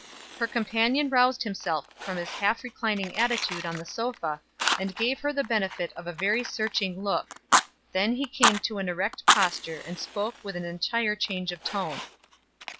Her companion roused himself from his half reclining attitude on the sofa, and gave her the benefit of a very searching look; then he came to an erect posture and spoke with entire change of tone.